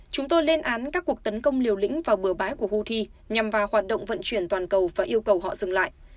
chúng tôi lên án các cuộc tấn công liều lĩnh vào bờ bãi của houthi nhằm vào hoạt động vận chuyển toàn cầu và yêu cầu họ dừng lại